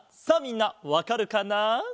さあみんなわかるかな？